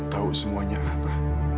tahu semuanya apa